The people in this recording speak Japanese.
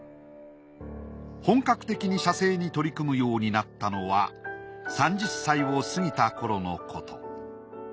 本格的に写生に取り組むようになったのは３０歳を過ぎた頃のこと。